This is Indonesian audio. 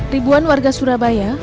ribuan warga surabaya